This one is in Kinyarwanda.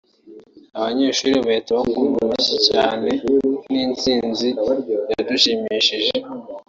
abanyeshuri bahita bakoma mu mashyi cyane […] Ni intsinzi yadushimishije